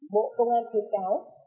bộ công an thiết kéo